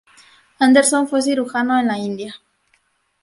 Anderson fue cirujano en la India.